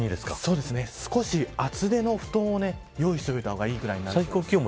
少し厚手の布団を用意しておいた方がいいくらいになります。